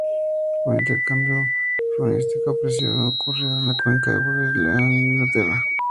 Un intercambio faunístico parecido ocurrió en la cuenca de Wessex-Weald en Inglaterra.